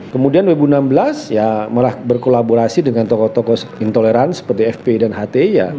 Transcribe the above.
kemudian dua ribu enam belas ya malah berkolaborasi dengan tokoh tokoh intolerans seperti fp dan ht